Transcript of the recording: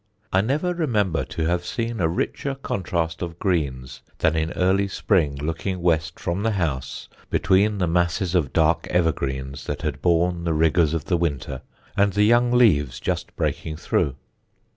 I never remember to have seen a richer contrast of greens than in early spring, looking west from the house, between the masses of dark evergreens that had borne the rigours of the winter and the young leaves just breaking through.